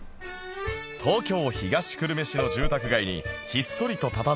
東京東久留米市の住宅街にひっそりとたたずむ楽器店